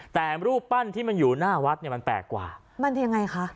แต่รูปปั้นที่มันอยู่หน้าวัดเนี่ยมันแปลกกว่ามันยังไงคะ